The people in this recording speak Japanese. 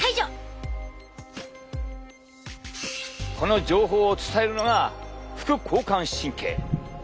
この情報を伝えるのが副交感神経。